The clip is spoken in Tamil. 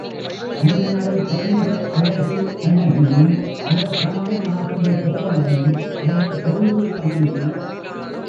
அன்னநடை பயின்ற அழகி கண்ணகியும், அவள் கணவன் ஆகிய கோவலனும் அதனைத் தொழுது வணங்கினர்.